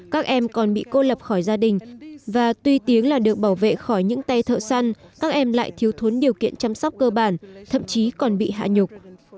các em còn bị cô lập khỏi gia đình và tuy tiếng là được bảo vệ khỏi những tay thợ săn các em lại thiếu thốn điều kiện chăm sóc cơ bản thậm chí còn bị hạ nhục